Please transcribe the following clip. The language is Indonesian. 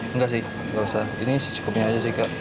enggak sih nggak usah ini secukupnya aja sih kak